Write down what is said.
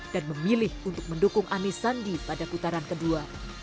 dan memilih untuk mendukung anies sandi pada putaran kedua